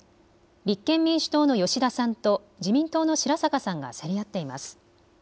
立憲民主党の吉田さんと自民党の白坂さんが競り合っています。